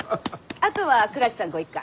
あとは倉木さんご一家。